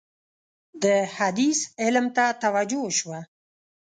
د حدیث علم ته توجه وشوه.